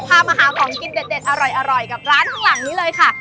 พามาหาของกินเด็ดอร่อยกับร้านข้างหลังนี้เลยค่ะ